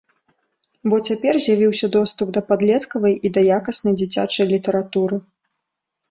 Бо цяпер з'явіўся доступ да падлеткавай і да якаснай дзіцячай літаратуры.